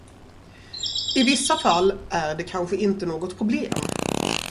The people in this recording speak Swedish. I vissa fall är det kanske inte något problem.